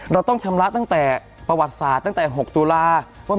เราต้องชำระตั้งแต่ประวัติศาสตร์ตั้งแต่๖ตุลาคม